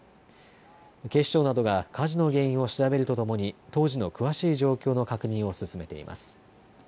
警視庁などが火事の原因を調べるとともに当時の詳しい状況の確認を進めています。